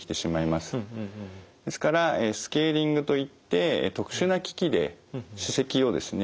ですからスケーリングといって特殊な機器で歯石をですね